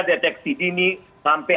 deteksi ini sampai